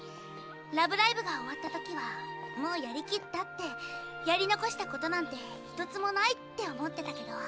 ラブライブが終わった時はもうやりきったってやり残した事なんて一つもないって思ってたけど。